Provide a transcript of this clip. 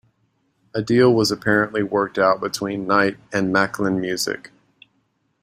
A deal was apparently worked out between Knight and Maclen Music.